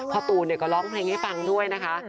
ตูนก็ร้องเพลงให้ฟังด้วยนะคะ